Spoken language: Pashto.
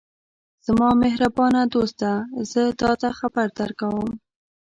زما مهربانه دوسته! زه تاته خبر درکوم.